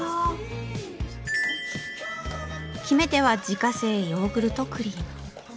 決め手は自家製ヨーグルトクリーム。